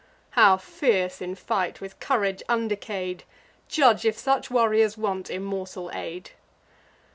How fierce in fight, with courage undecay'd! Judge if such warriors want immortal aid."